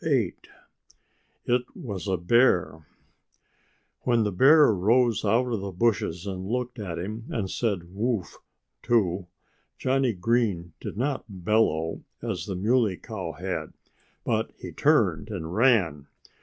VIII IT WAS A BEAR When the bear rose out of the bushes and looked at him and said "Woof!" too Johnnie Green did not bellow as the Muley Cow had. But he turned and ran.